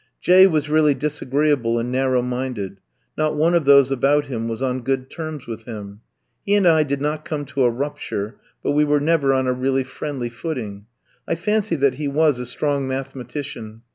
J ski was really disagreeable and narrow minded; not one of those about him was on good terms with him. He and I did not come to a rupture, but we were never on a really friendly footing. I fancy that he was a strong mathematician.